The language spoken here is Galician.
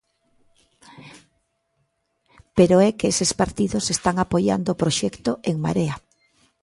Pero é que eses partidos están apoiando o proxecto "En Marea".